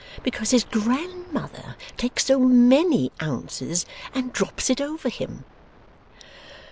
Because his grandmother takes so MANY ounces, and drops it over him.